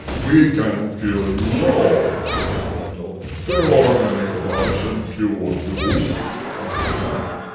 "We can kill you all," replied Gunto. "There are many of us and few of you," and he was right.